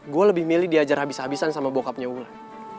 gua lebih milih diajar habis habisan sama bokapnya ulan